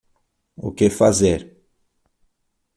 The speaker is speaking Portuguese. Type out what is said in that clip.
O que fazer